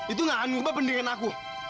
itu gak akan merubah pendirian aku